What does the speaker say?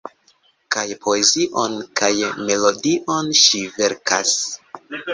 Kaj poezion kaj melodion ŝi verkas.